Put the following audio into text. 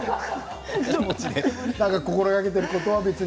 心がけていることは別に？